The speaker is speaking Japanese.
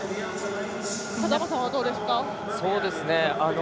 風間さんはどうですか。